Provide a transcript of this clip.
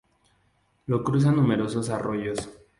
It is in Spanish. Lo cruzan numerosos arroyos.